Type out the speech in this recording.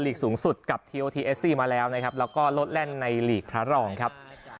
สูงสุดกับทีโอทีเอสซี่มาแล้วนะครับแล้วก็ลดแล่นในหลีกพระรองครับ